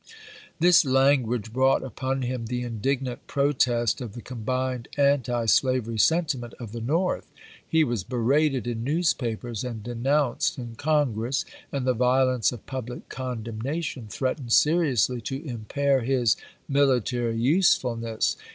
Tliis language brought upon him the indignant protest of the combined antislavery sentiment of HALLECK 95 the North. He was berated in newspapers and denounced in Congress, and the violence of public condemnation threatened seriously to impair his military usefulness.